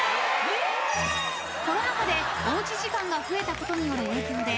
［コロナ禍でおうち時間が増えたことによる影響で］